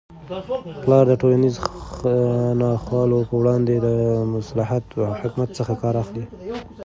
پلار د ټولنیزو ناخوالو په وړاندې د مصلحت او حکمت څخه کار اخلي.